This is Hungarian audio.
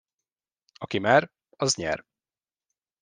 Aki mer, az nyer.